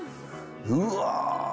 うわ。